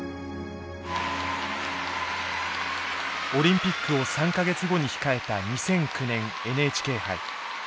オリンピックを３か月後に控えた２００９年ＮＨＫ杯。